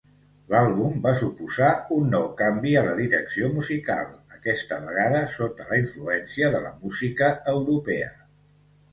L'àlbum va suposar un nou canvi a la direcció musical, aquesta vegada sota la influència de la música europea.